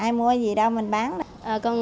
ai mua gì đâu mình bán đó